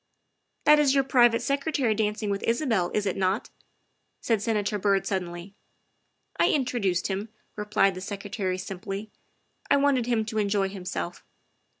" That is your private secretary dancing with Isabel, is it not ?'' said Senator Byrd suddenly. " I introduced him," replied the Secretary simply. " I wanted him to enjoy himself."